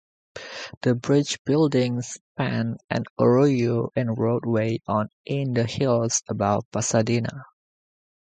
The "bridge building" spanned an arroyo and roadway on in the hills above Pasadena.